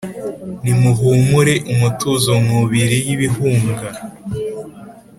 Nimuhumure umutuzo nkubili y’ibihunga,